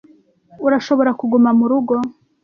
Urashobora kuguma mu rugo